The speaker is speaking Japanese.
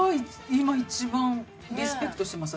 今一番リスペクトしてます